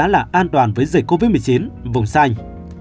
đánh giá là an toàn với dịch covid một mươi chín vùng xanh